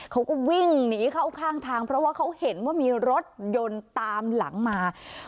เขาก็วิ่งหนีเข้าข้างทางเพราะว่าเขาเห็นว่ามีรถยนต์ตามหลังมา